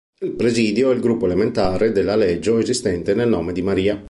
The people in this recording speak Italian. Il "Presidio" è il gruppo elementare della "Legio", esistente nel nome di Maria.